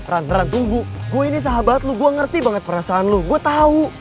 ran ran tunggu gue ini sahabat lo gue ngerti banget perasaan lo gue tau